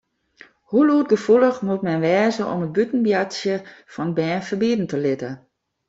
Hoe lûdgefoelich moat men wêze om it bûten boartsjen fan bern ferbiede te litten?